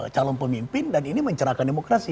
calon pemimpin dan ini mencerahkan demokrasi